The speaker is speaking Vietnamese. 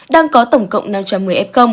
đang có tổng cộng năm trăm một mươi f